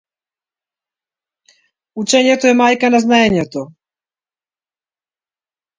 Учењето е мајка на знаењето.